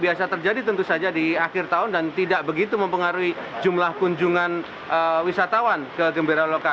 biasa terjadi tentu saja di akhir tahun dan tidak begitu mempengaruhi jumlah kunjungan wisatawan ke gembira loka